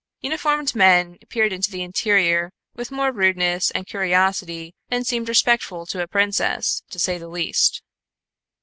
Uniformed men peered into the interior with more rudeness and curiosity than seemed respectful to a princess, to say the least.